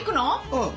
うん。